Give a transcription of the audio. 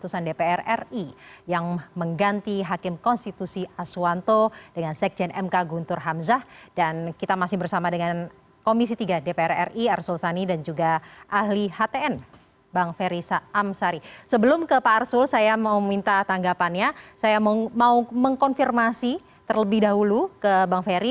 saya mau mengkonfirmasi terlebih dahulu ke bang ferry